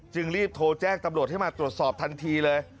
รีบโทรแจ้งตำรวจให้มาตรวจสอบทันทีเลย